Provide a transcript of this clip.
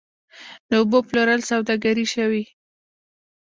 د اوبو پلورل سوداګري شوې؟